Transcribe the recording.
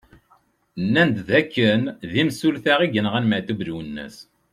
Nnan-d d akken d imsulta i yenɣan Maɛtub Lwennas.